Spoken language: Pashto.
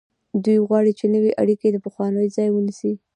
دوی غواړي چې نوې اړیکې د پخوانیو ځای ونیسي.